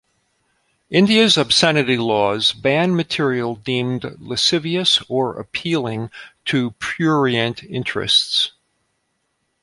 India's obscenity laws ban material deemed "lascivious or appealing to prurient interests".